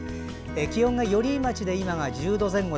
気温が寄居町で今、１０度前後。